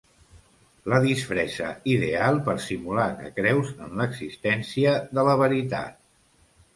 La disfressa ideal per simular que creus en l'existència de la veritat.